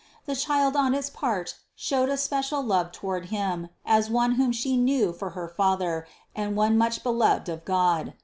The Child on its part showed a special love toward him, as one whom She knew for her father and one much beloved of God.